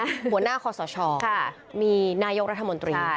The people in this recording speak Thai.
หัวหน้าคอสชมีนายกรัฐมนตรี